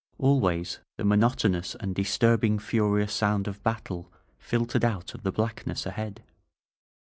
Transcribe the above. Always the monotonous and disturbing furious sound of battle fil tered out of the blackness ahead.